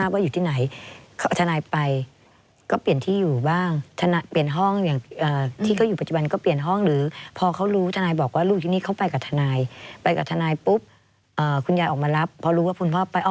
คุณยายออกมารับเพราะรู้ว่าคุณพ่อไป